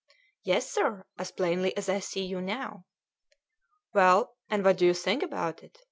"Yes, sir, as plainly as I see you now." "Well, and what do you think about it?"